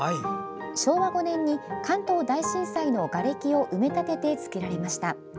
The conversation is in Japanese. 昭和５年に、関東大震災のがれきを埋め立てて造られました。